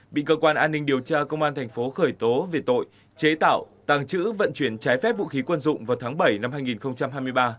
bị cơ quan an ninh điều tra công an thành phố khởi tố về tội chế tạo tàng trữ vận chuyển trái phép vũ khí quân dụng vào tháng bảy năm hai nghìn hai mươi ba